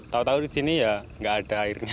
tau tau disini ya gak ada airnya